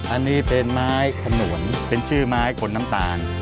อันนี้เป็นไม้ขนวนเป็นชื่อไม้ขนน้ำตาล